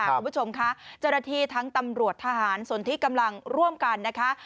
คุณผู้ชมคะจรฐีทั้งตำรวจทหารส่วนที่กำลังร่วมกันนะคะ